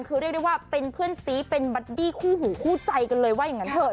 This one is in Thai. คือเรียกได้ว่าเป็นเพื่อนซีเป็นบัดดี้คู่หูคู่ใจกันเลยว่าอย่างนั้นเถอ